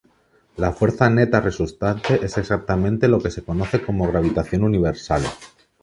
La fuerza neta resultante es exactamente lo que se conoce como gravitación universal.